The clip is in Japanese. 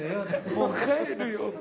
「もう帰るよ」。